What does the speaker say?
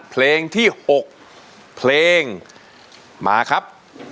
เพลงที่๖เพลงมาครับ